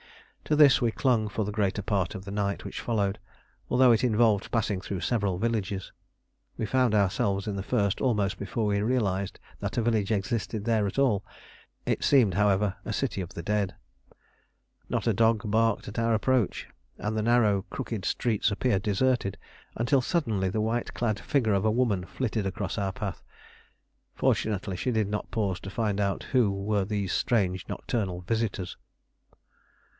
To this we clung for the greater part of the night which followed, although it involved passing through several villages. We found ourselves in the first almost before we realised that a village existed there at all: it seemed, however, a city of the dead. Not a dog barked at our approach, and the narrow crooked streets appeared deserted, until suddenly the white clad figure of a woman flitted across our path. Fortunately she did not pause to find out who were these strange nocturnal visitors.